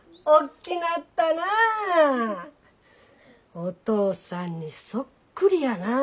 お父さんにそっくりやなあ。